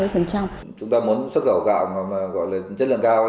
chúng ta muốn xuất khẩu gạo mà có lợi chất lượng cao